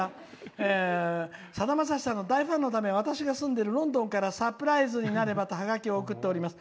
「さだまさしさんの大ファンのため私が住んでいるロンドンからサプライズになればとハガキを送っております。